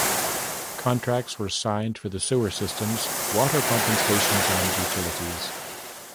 Contracts were signed for the sewer systems, water pumping stations and utilities.